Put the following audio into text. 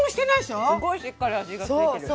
すごいしっかり味が付いてる。